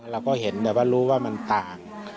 เราก็เห็นแต่ว่ารู้ว่ามันต่าง